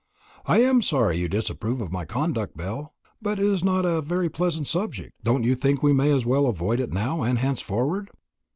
"I am sorry you disapprove of my conduct, Belle; but as it is not a very pleasant subject, don't you think we may as well avoid it now and henceforward?"